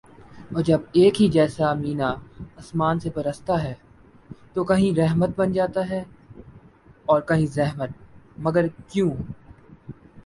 اور جب ایک ہی جیسا مینہ آسماں سے برستا ہے تو کہیں رحمت بن جاتا ہے اور کہیں زحمت مگر کیوں